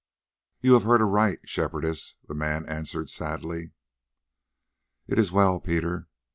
"You have heard aright, Shepherdess," the man answered sadly. "It is well, Peter.